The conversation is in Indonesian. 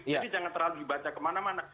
jadi tidak terlalu dibaca kemana mana